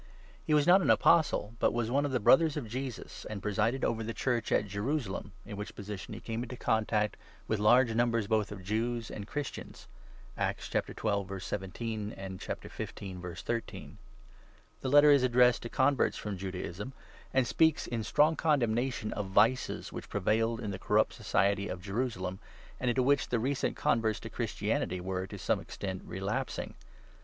He was not an Apostle, but was one of the brothers of Jesus, and presided over the Church at Jerusalem, in which position he came into contact with large numbers both of Jews and Christians (Acts 12. 17; 15. 13). The Letter is addressed to converts from Judaism, and speaks, in strong condemnation, of vices which prevailed in the corrupt society of Jerusalem, and into which the recent converts to Christianity were, to some extent, relapsing.